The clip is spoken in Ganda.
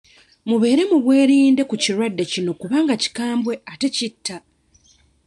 Mubeere mu bwerinde ku kirwadde kino kubanga kikambwe ate kitta.